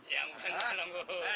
yang bener dong